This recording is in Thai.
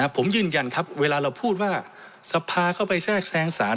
ผมยืนยันครับเวลาเราพูดว่าสภาเข้าไปแทรกแทรงสาร